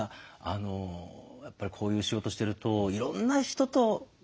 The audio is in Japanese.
やっぱりこういう仕事してるといろんな人とずっとね。